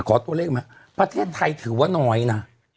ขอตัวเลขมาประเทศไทยถือว่าน้อยนะ